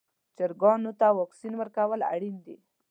چرګانو ته واکسین ورکول اړین دي.